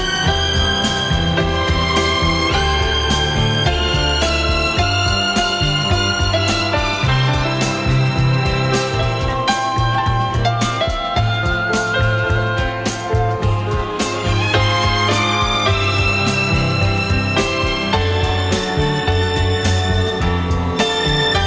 hẹn gặp lại